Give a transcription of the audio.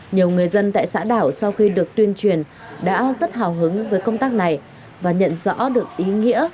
nhiều người dân tại xã đảo sau khi được tuyên truyền đã rất hào hứng với công tác này và nhận rõ được ý nghĩa